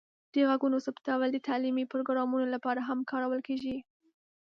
د غږونو ثبتول د تعلیمي پروګرامونو لپاره هم کارول کیږي.